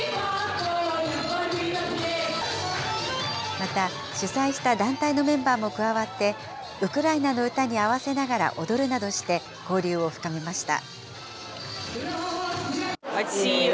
また、主催した団体のメンバーも加わって、ウクライナの歌に合わせながら踊るなどして、交流を深めました。